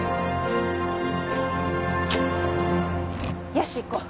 よし行こう